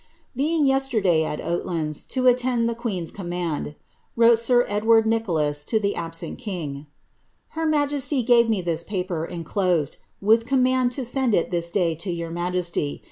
~ Being: yesterday at Oatlands, to attend tlie queen's command,'* wrote sir Ed vard Nicholas to the absent king, ^Mier majesty gave me this paper, enclosed, v Ui command to send it this day to your majesty.